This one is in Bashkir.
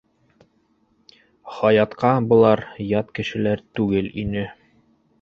Хаятҡа былар ят кешеләр түгел ине.